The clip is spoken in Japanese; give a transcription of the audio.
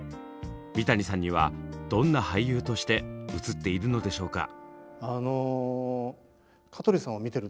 三谷さんにはどんな俳優として映っているのでしょうか？